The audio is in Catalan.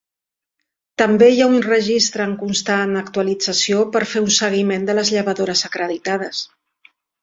També hi ha un registre en constant actualització per fer un seguiment de les llevadores acreditades.